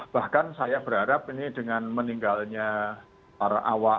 bahkan saya berharap ini dengan meninggalnya para awak